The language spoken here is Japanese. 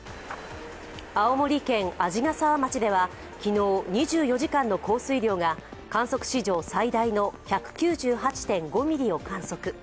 青森県鰺ヶ沢町では昨日、２４時間の降水量が観測史上最大の１９８．５ミリを観測。